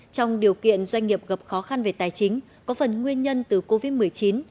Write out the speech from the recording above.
trong điều kiện doanh nghiệp gặp khó khăn về tài chính có phần nguyên nhân từ covid một mươi chín